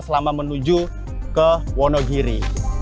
selama menuju ke wonogiri